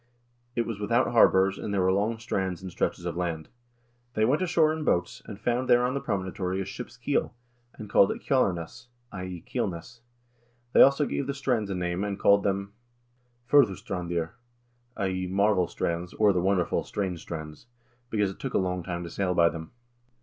It was without harbors, and there were long strands and stretches of sand. They went ashore in boats, and found there on the promontory a ship's keel, and called it 'Kjalarnes' (i.e. Keel ness). They also gave the strands a name and called them 'Fur'Su strandir' (i.e. Marvel Strands, or the wonderful, strange strands), because it took a long time to sail by them."